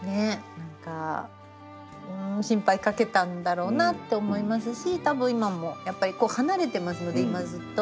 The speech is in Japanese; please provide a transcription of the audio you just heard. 何かうん心配かけたんだろうなって思いますし多分今もやっぱり離れてますので今ずっと。